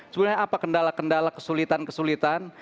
sebenarnya apa kendala kendala kesulitan kesulitan